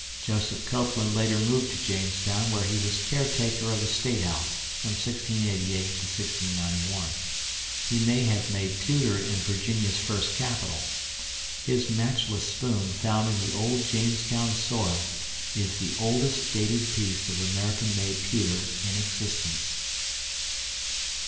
Joseph Copeland later moved to Jamestown where he was caretaker of the statehouse from 1688 91. He may have made pewter in Virginia's first capital. His matchless spoon found in the old Jamestown soil is the oldest dated piece of American made pewter in existence.